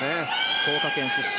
福岡県出身。